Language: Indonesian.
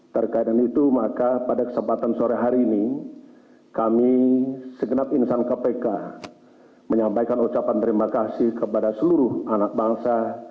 terkait dengan itu maka pada kesempatan sore hari ini kami segenap insan kpk menyampaikan ucapan terima kasih kepada seluruh anak bangsa